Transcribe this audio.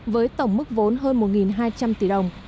với tổng mức vốn hơn một hai trăm linh tỷ đồng